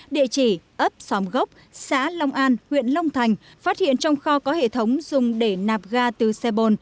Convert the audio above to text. địa chỉ ấp xóm gốc xã long an huyện long thành phát hiện trong kho có hệ thống dùng để nạp ga từ xe bồn